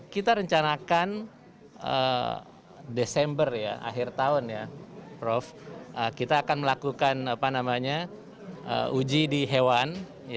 kita rencanakan desember ya akhir tahun ya prof kita akan melakukan uji di hewan